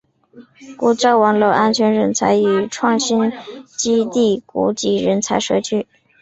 国家网络安全人才与创新基地国际人才社区